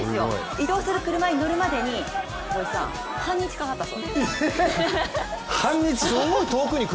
移動する車に乗るまでに半日かかったそうです。